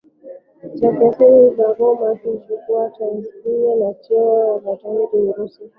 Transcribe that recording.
cha Kaisari wa Roma kilichoitwa tsar na kuwa cheo cha watawala wa Urusi hadi